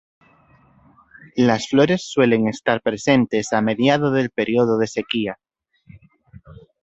Las flores suelen estar presentes a mediado del periodo de sequía.